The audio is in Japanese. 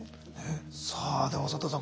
さあでも佐藤さん